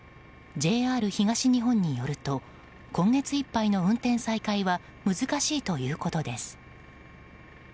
ＪＲ東日本によると今月いっぱいの運転再開は難しいということです。